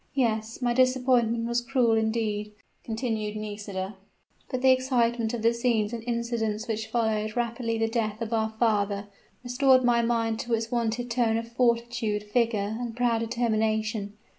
"Yes my disappointment was cruel indeed," continued Nisida. "But the excitement of the scenes and incidents which followed rapidly the death of our father, restored my mind to its wonted tone of fortitude, vigor, and proud determination.